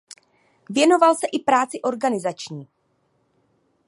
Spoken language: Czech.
Věnoval se i práci organizační.